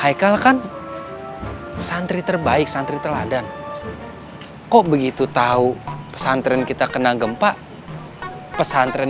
hai hai kalekan santri terbaik santri teladan kok begitu tahu pesantren kita kena gempa pesantren